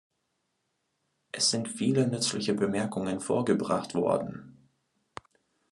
Es sind viele nützliche Bemerkungen vorgebracht worden.